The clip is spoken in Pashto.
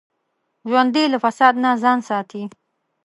ژوندي له فساد نه ځان ساتي